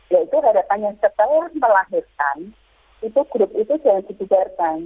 ya itu harapannya setelah melahirkan itu grup itu jangan dibiarkan